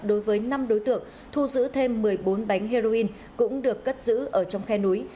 đối với năm đối tượng thu giữ thêm một mươi bốn bánh heroin cũng được cất giữ ở trong khe núi